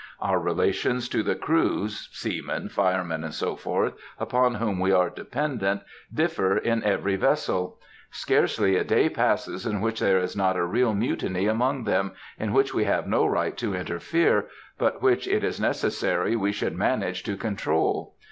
Our relations to the crews (seamen, firemen, &c.), upon whom we are dependent, differ in every vessel. Scarcely a day passes in which there is not a real mutiny among them, in which we have no right to interfere, but which it is necessary we should manage to control.